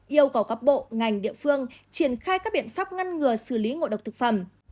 yêu cầu các bộ ngành địa phương triển khai các biện pháp ngăn ngừa xử lý ngộ độc thực phẩm